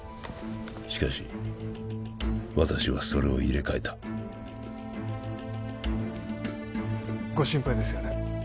しかし私はそれを入れ替えたご心配ですよね